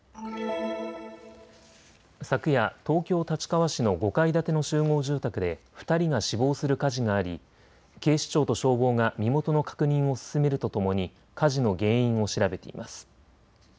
昨夜、東京立川市の５階建ての集合住宅で２人が死亡する火事があり警視庁と消防が身元の確認を進めるとともに火事の原因を調べています。